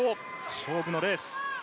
勝負のレース。